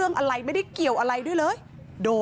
กลับมารับทราบ